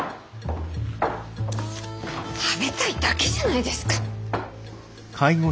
食べたいだけじゃないですか。